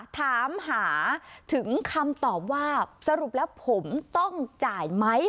ถามหาถึงคำตอบว่าสรุปแล้วผมต้องจ่ายไหม